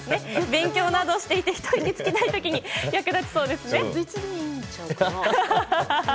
勉強などしていてひと息つきたい時に役立つそうです。